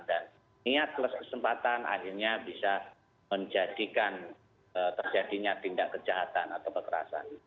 dan niat plus kesempatan akhirnya bisa menjadikan terjadinya tindak kejahatan atau kekerasan